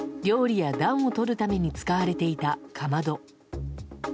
料理や暖をとるために使われていたかまど。